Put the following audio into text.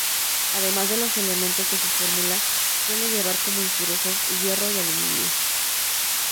Además de los elementos de su fórmula, suele llevar como impurezas hierro y aluminio.